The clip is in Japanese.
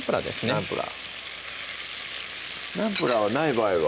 ナンプラーナンプラーはない場合は？